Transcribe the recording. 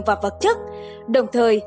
và vật chất đồng thời